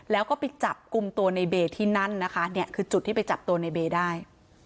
แล้วก็ไปจับกลุ่มตัวในเบที่นั่นนะคะเนี่ยคือจุดที่ไปจับตัวในเบย์ได้